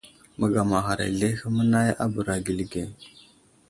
Məgamaghar azlehe mənay a bəra gəli ge.